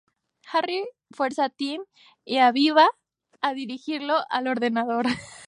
Harry fuerza a Tim y a Aviva a dirigirlo al "ordenador".